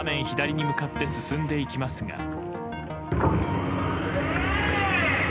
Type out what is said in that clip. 左に向かって進んでいきますが。